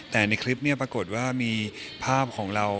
แต่ในคลิปนี้ปรากฏว่ามีภาพของเรา